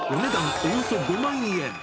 およそ５万円。